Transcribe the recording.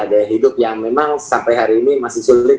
gaya hidup yang memang sampai hari ini masih sulit